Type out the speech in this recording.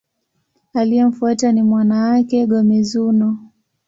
Aliyemfuata ni mwana wake, Go-Mizunoo.